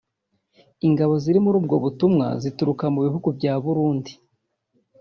Ingabo ziri muri ubwo butumwa zituruka mu bihugu bya Burundi